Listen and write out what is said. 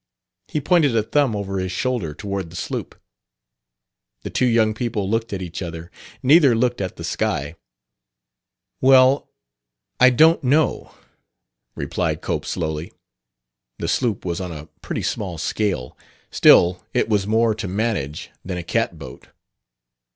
He pointed a thumb over his shoulder toward the sloop. The two young people looked at each other. Neither looked at the sky. "Well, I don't know," replied Cope slowly. The sloop was on a pretty small scale; still, it was more to manage than a cat boat.